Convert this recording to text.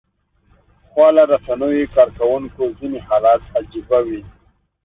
خواله رسنیو کاروونکو ځینې حالات عجيبه وي